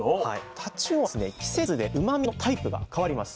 タチウオは季節でうまみのタイプが変わります。